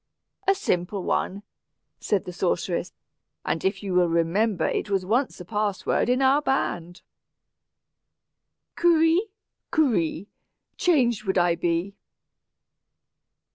"A simple one," replied the sorceress, "and you will remember it was once a password in our band, 'Kurri kuree, Changed would I be.'"